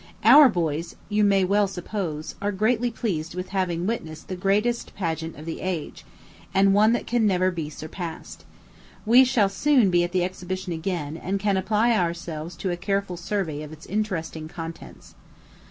Our boys, you may well suppose, are greatly pleased with having witnessed the greatest pageant of the age, and one that can never be surpassed. We shall soon be at the exhibition again, and apply ourselves to a careful survey of its interesting contents.